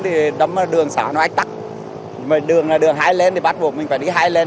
thì đấm đường xả nó ách tắt mà đường là đường hai len thì bắt buộc mình phải đi hai len